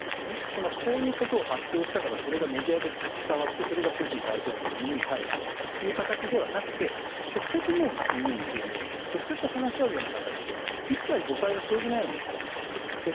つまり、こういうことを発表したからそれがメディアで伝わってそれがプーチン大統領の耳に入るという形ではなくて直接、耳に入れるような直接、話し合う形で一切、誤解が生じないようにしているんです。